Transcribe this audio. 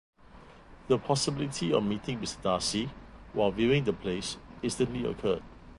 The possibility of meeting Mr. Darcy, while viewing the place, instantly occurred.